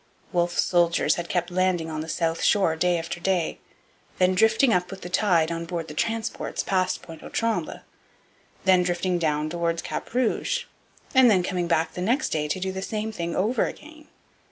Wolfe's soldiers had kept landing on the south shore day after day; then drifting up with the tide on board the transports past Pointe aux Trembles; then drifting down towards Cap Rouge; and then coming back the next day to do the same thing over again.